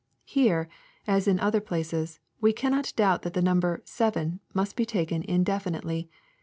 ] Here, as in other places, we cannot doubt that the number " seven" must be taken indefinitely.